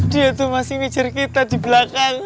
dia tuh masih mikir kita di belakang